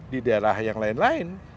di daerah yang lain lain